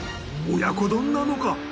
親子丼なのか？